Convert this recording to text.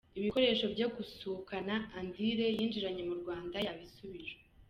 Ibikoresho bya Kusukana Andire yinjiranye mu Rwanda yabisubijwe.